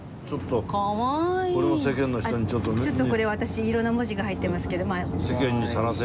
ちょっとこれ私いろんな文字が入ってますけど。